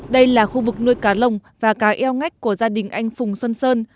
đây là khu vực nuôi cá lồng và cá eo ngách của gia đình anh phùng xuân sơn